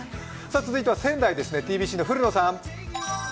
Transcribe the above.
続いては仙台です、ｔｂｃの古野さん。